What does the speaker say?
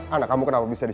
anak kamu kenapa bisa disini